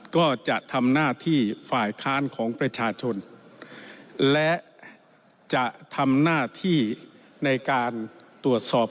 ก็จะทำหน้าที่ฝ่ายค้านของประชาชนและจะทำหน้าที่ในการตรวจสอบ